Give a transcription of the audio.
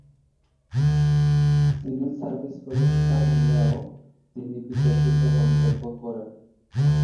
Civil service পরীক্ষা নিয়েও তিনি বিতর্কিত মন্তব্য করেন।